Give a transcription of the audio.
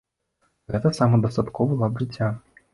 Гэта самадастатковы лад жыцця.